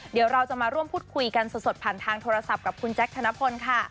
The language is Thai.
เดี๋ยวเราจะมาร่วมพูดคุยกันสดผ่านทางโทรศัพท์กับคุณแจ๊คธนพลค่ะ